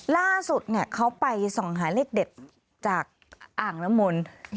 ล่าสุดเขาไปส่องหาเลขเด็ดจากอ่างน้ำมนต์